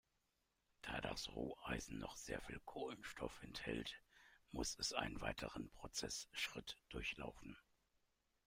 Da das Roheisen noch sehr viel Kohlenstoff enthält, muss es einen weiteren Prozessschritt durchlaufen.